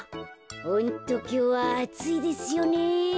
ホントきょうはあついですよね。